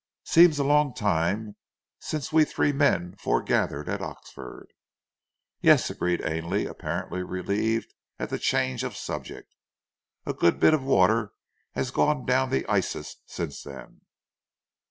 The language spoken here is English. "Seems a long time since we three men foregathered at Oxford." "Yes," agreed Ainley, apparently relieved at the change of subject. "A good bit of water has gone down the Isis since then."